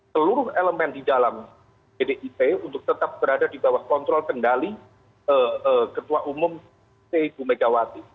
seluruh elemen di dalam pdip untuk tetap berada di bawah kontrol kendali ketua umum ibu megawati